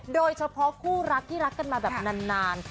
โดยเฉพาะคู่รักที่รักกันมาแบบนาน